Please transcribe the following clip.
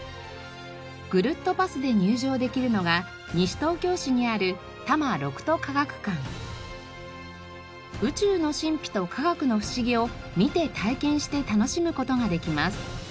ぐるっとパスで入場できるのが西東京市にある宇宙の神秘と科学の不思議を見て体験して楽しむ事ができます。